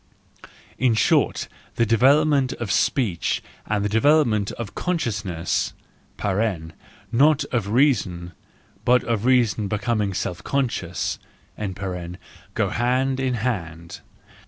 In short, the development of speech and the development of consciousness (not df reason, but of reason becoming self conscious) go hand in hand.